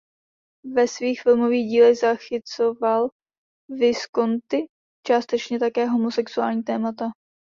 Ve svých filmových dílech zachycoval Visconti částečně také homosexuální témata.